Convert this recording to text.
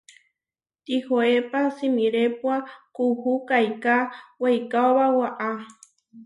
Tihoépa simirépua kuú kaiká weikaóba waʼá.